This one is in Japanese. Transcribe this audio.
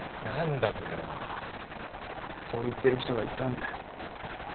何だそれはそう言ってる人がいたんだよ